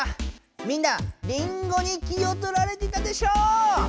みんなりんごに気をとられてたでしょ？